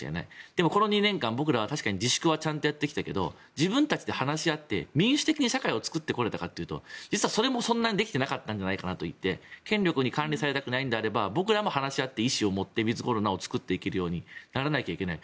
でも、この２年間、僕らは自粛はちゃんとやってきたけれど自分たちで話し合って民主的に社会を作ってこられたかというと実はそれもそんなにできていなかったんじゃないかと思って権力の管理されたくなければ僕らも意思を持ってウィズコロナを作っていけるようにならないといけない。